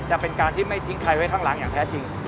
จะเป็นการที่ไม่ทิ้งใครไว้ข้างหลังอย่างแท้จริง